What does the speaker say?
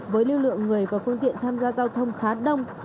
với lưu lượng người và phương tiện tham gia giao thông khá đông